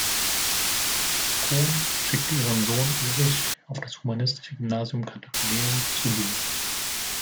Cohn" schickten ihren Sohn Erich auf das humanistische Gymnasium Katharineum zu Lübeck.